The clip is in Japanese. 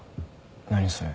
何それ？